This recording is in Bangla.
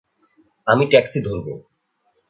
আমি ট্যাক্সি ধরবো।